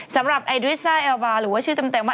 สำหรับไอดริซ่าแอลบาร์หรือว่าชื่อเต็มว่า